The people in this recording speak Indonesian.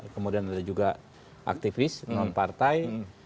kemudian ada juga aktivis non partai